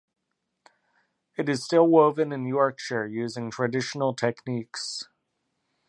It is still woven in Yorkshire using traditional techniques.